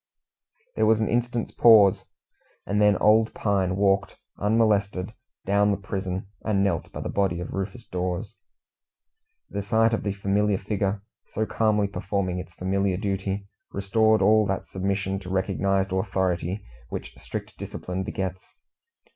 There was an instant's pause, and then old Pine walked, unmolested, down the prison and knelt by the body of Rufus Dawes. The sight of the familiar figure, so calmly performing its familiar duty, restored all that submission to recognized authority which strict discipline begets.